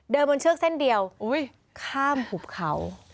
บนเชือกเส้นเดียวข้ามหุบเขา